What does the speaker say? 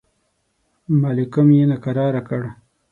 مالکم یې ناکراره کړ.